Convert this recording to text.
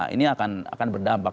ini akan berdampak